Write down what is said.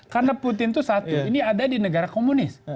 karena putin itu satu ini ada di negara komunis